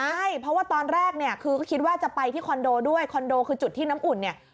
ใช่เพราะว่าตอนแรกเนี่ยคือก็คิดว่าจะไปที่คอนโดด้วยคอนโดคือจุดที่น้ำอุ่นเนี่ย